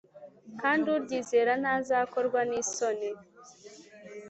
kandi uryizera ntazakorwa n’isoni